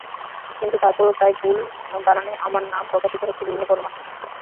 কিন্তু তারপরও প্রায়ই ভুল বানানে আমার নাম প্রকাশিত হচ্ছে বিভিন্ন গণমাধ্যমে।